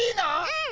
うん！